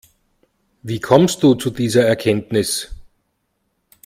Wie kommst du zu dieser Erkenntnis?